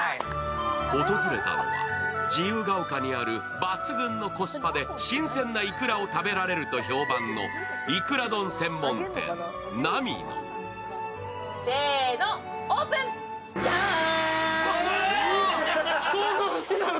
訪れたのは自由が丘にある抜群のコスパで新鮮ないくらを食べられると評判のいくら丼専門店波の。せーの、オープン、ジャン！